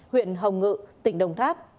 huyện hồng ngự tỉnh đồng tháp